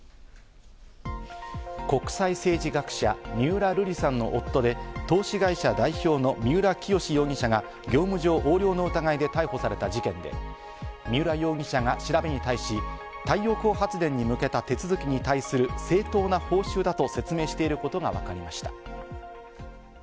国際政治学者・三浦瑠麗さんの夫で投資会社代表の三浦清志容疑者が業務上横領の疑いで逮捕された事件で、三浦容疑者が調べに対し、太陽光発電に向けた手続きに対する正当な報酬だと説明していることがわかりました。